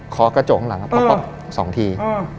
เคาะกระจกหลังป๊อบสองที